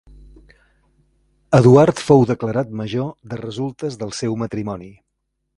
Eduard fou declarat major de resultes del seu matrimoni.